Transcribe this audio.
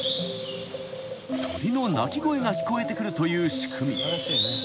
［鳥の鳴き声が聞こえてくるという仕組み］